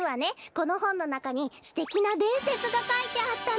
このほんのなかにすてきなでんせつがかいてあったの！